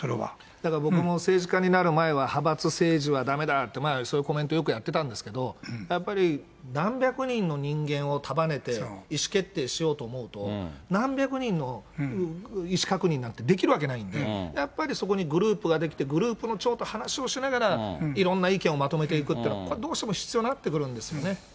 だけど僕も政治家になる前は、派閥政治はだめだって、前はそういうコメント、よくやってたんですけれども、やっぱり何百人の人間を束ねて、意思決定しようと思うと、何百人の意思確認なんてできるわけないんで、やっぱりそこにグループが出来て、グループの長と話をしながら、いろんな意見をまとめていくっていうのは、これどうしても必要になってくるんですよね。